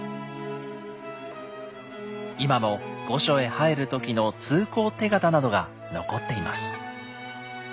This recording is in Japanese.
今も御所へ入る時の通行手形などが残っています。